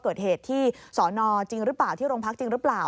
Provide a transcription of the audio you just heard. เกิดเหตุที่สอนอจริงหรือเปล่าที่โรงพักจริงหรือเปล่า